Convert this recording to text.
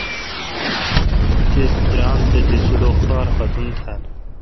تیس درام تتی سلوخار ختُم تھال۔